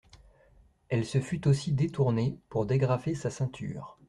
Elle se fût aussi détournée pour dégrafer sa ceinture.